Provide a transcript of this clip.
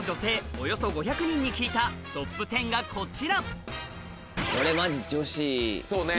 およそ５００人に聞いたトップ１０がこちらこれは。